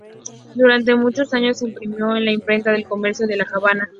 Durante muchos años se imprimió en la Imprenta del Comercio, en La Habana.